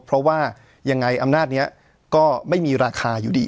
เพราะว่ายังไงอำนาจนี้ก็ไม่มีราคาอยู่ดี